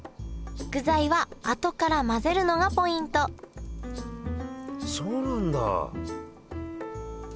具材はあとから混ぜるのがポイントそうなんだ。